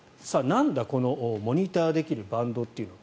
なんだ、このモニターできるバンドというのは。